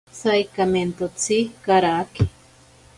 Saikamentotsi karake.